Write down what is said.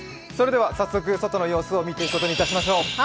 それでは早速、外の様子を見ていくことにいたしましょう。